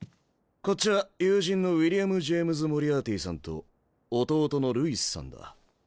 こっちは友人のウィリアム・ジェームズ・モリアーティさんと弟のルイスさんだ。